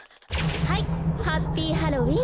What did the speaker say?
はいハッピーハロウィン！